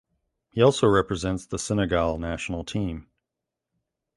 He also represents the Senegal national team.